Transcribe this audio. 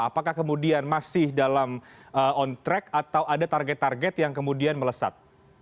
apakah kemudian masih dalam on track atau ada target target yang kemudian melesat